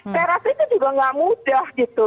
saya rasa itu juga nggak mudah gitu